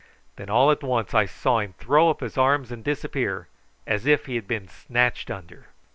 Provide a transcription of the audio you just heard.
Then all at once I saw him throw up his arms and disappear, as if he had been snatched under.